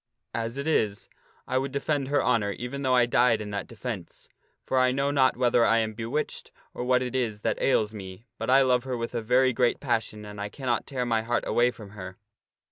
As it is, I would defend her honor even though I died in that defence. For I know not whether I am bewitched or what it is that ails me, but I love her with a very great passion and I cannot tear my heart away from her."